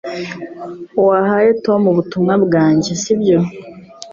Wahaye Tom ubutumwa bwanjye sibyo